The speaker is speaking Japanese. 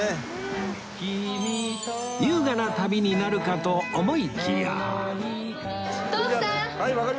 優雅な旅になるかと思いきや